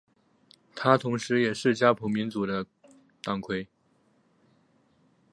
他同时也是加蓬民主党的党魁。